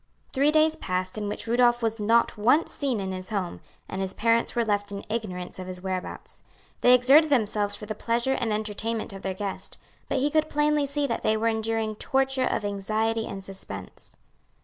Three days passed in which Rudolph was not once seen in his home, and his parents were left in ignorance of his whereabouts. They exerted themselves for the pleasure and entertainment of their guest, but he could see plainly that they were enduring torture of anxiety and suspense.